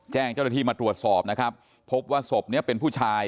แจ้งเจ้าหน้าที่มาตรวจสอบนะครับพบว่าศพนี้เป็นผู้ชาย